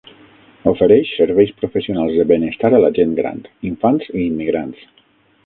Ofereix serveis professionals de benestar a la gent gran, infants i immigrants.